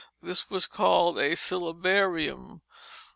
This was called a syllabarium.